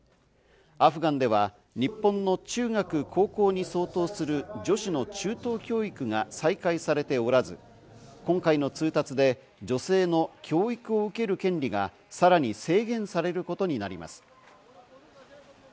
アフガンでは日本の中学、高校に相当する女子の中等教育が再開されておらず、今回の通達で女性の教育を受ける権利がさらに制限されることになります。